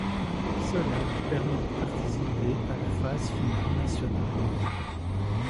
Cela lui permit de participer à la phase finale nationale.